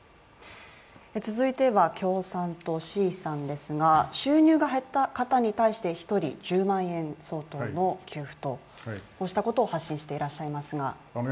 共産党、志位さんですが、消費が減った人に対しての一人１０万円給付ですがこうしたことを発信していらっしゃいますが。